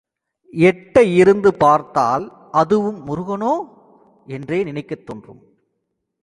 எட்ட இருந்து பார்த்தால் அதுவும் முருகனோ என்றே நினைக்கத் தோன்றும்.